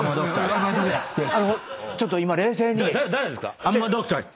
ちょっと今冷静に。